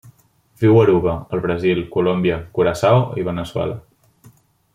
Viu a Aruba, el Brasil, Colòmbia, Curaçao i Veneçuela.